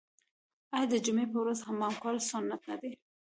آیا د جمعې په ورځ حمام کول سنت نه دي؟